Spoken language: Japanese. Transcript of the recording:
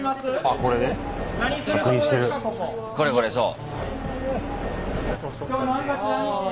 これこれそう。